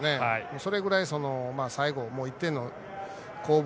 それくらい最後、１点の攻防